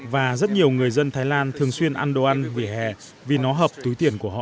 và rất nhiều người dân thái lan thường xuyên ăn đồ ăn vỉa hè vì nó hợp túi tiền của họ